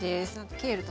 ケールとか。